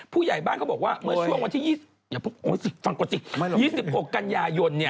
ผู้ใหญ่บ้านเขาบอกว่าเมื่อช่วงวันที่๒๐ฟังกว่าจริง๒๖กันยายนเนี่ย